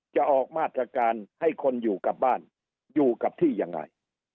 จะออกมาตรการให้คนอยู่กับบ้านอยู่กับที่ยังไง